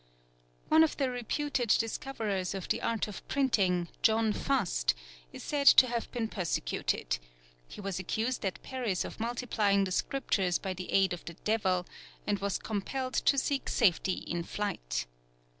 One of the reputed discoverers of the art of printing, John Fust, is said to have been persecuted; he was accused at Paris of multiplying the Scriptures by the aid of the Devil, and was compelled to seek safety in flight.